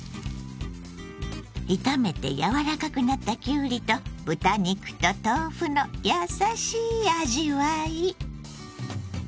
炒めてやわらかくなったきゅうりと豚肉と豆腐のやさしい味わい。